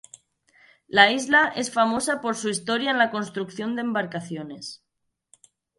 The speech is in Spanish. La isla es famosa por su historia en la construcción de embarcaciones.